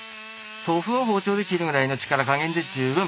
豆腐を包丁で切るぐらいの力加減で十分！